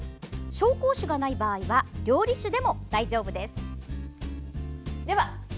紹興酒がない場合は料理酒でも大丈夫です。